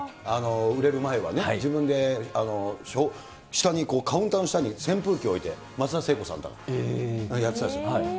売れる前はね、自分で下に、カウンターの下に扇風機を置いて、松田聖子さんとかやってたんです。